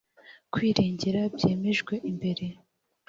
kwirengera byemejwe mbere